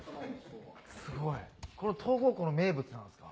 すごいこれ東郷湖の名物なんすか？